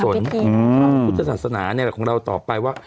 ธุรกิจศาสตรานี้แหละของเราต่อไปว่า